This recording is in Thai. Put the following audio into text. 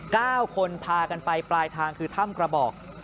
เก้าคนพากันไปปลายทางคือถ้ำกระบอก